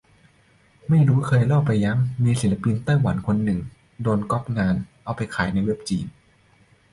ไม่รู้เคยเล่าไปยัง มีศิลปินไต้หวันคนนึง โดนก็อปงานเอาไปขายในเว็บจีน